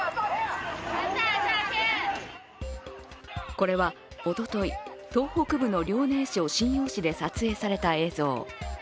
これはおととい、東北部の遼寧省瀋陽市で撮影された映像。